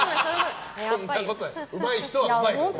うまい人はうまいから。